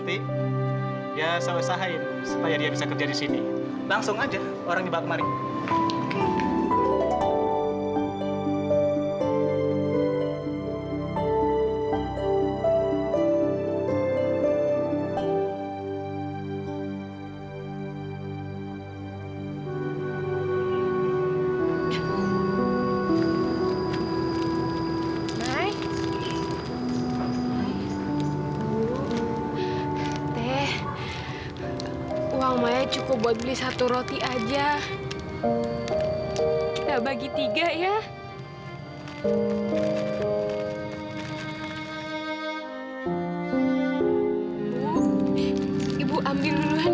ibu yang udah banyak kesahin